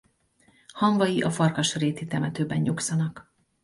Hamvai a Farkasréti temetőben nyugszanak.